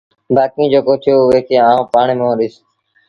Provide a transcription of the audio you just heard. بآڪيٚݩ جيڪو ٿيو اُئي کي آئوݩ پآڻهي مݩهݩ ڏئيٚس